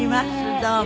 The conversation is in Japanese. どうも。